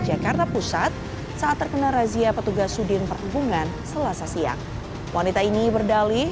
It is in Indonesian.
jakarta pusat saat terkena razia petugas sudin perhubungan selasa siang wanita ini berdalih